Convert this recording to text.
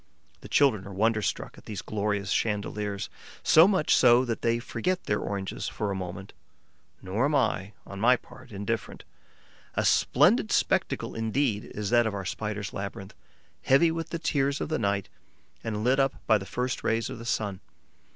The children are wonderstruck at those glorious chandeliers, so much so that they forget their oranges for a moment. Nor am I, on my part, indifferent. A splendid spectacle indeed is that of our Spider's labyrinth, heavy with the tears of the night and lit up by the first rays of the sun.